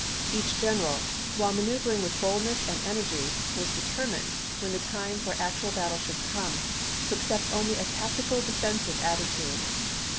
Each general, while manoeuvring with boldness and energy, was determined, when the time for actual battle should come, to accept only a tactical defensive attitude.